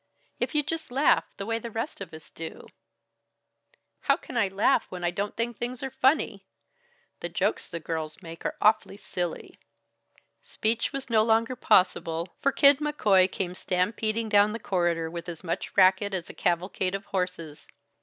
If you'd just laugh the way the rest of us do " "How can I laugh when I don't think things are funny? The jokes the girls make are awfully silly " Speech was no longer possible, for Kid McCoy came stampeding down the corridor with as much racket as a cavalcade of horses.